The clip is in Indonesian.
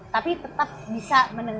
tapi tetap bisa berunding